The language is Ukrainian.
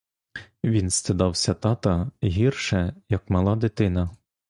Він стидався тата гірше, як мала дитина.